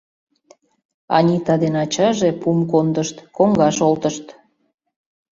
Анита ден ачаже пум кондышт, коҥгаш олтышт.